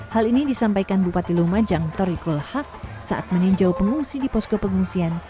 hal ini disampaikan bupati lumajang tori kolhak saat meninjau pengungsi di posko pengungsian